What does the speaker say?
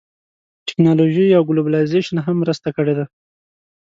ټیکنالوژۍ او ګلوبلایزېشن هم مرسته کړې ده